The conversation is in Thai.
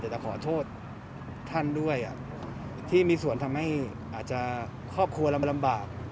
แต่จะขอโทษท่านด้วยที่มีส่วนทำให้อาจจะครอบครัวเรามาลำบาก